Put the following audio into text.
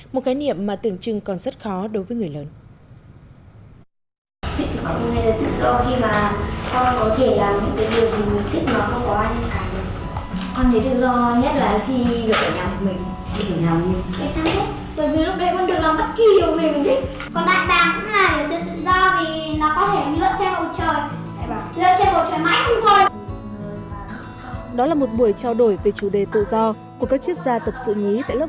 một cái niệm mà tưởng chừng còn rất khó